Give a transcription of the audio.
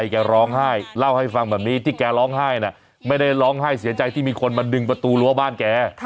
แกร้องไห้เล่าให้ฟังแบบนี้ที่แกร้องไห้ไม่ได้ร้องไห้เสียใจที่มีคนมาดึงประตูรั้วบ้านแก